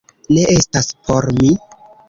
Ne estas por mi